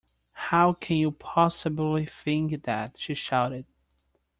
How can you possibly think that? she shouted